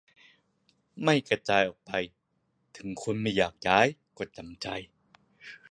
ไม่กระจายออกไป ถึงคนไม่อยากย้ายก็จำใจ